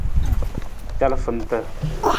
Calafanta.